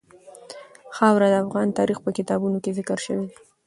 خاوره د افغان تاریخ په کتابونو کې ذکر شوي دي.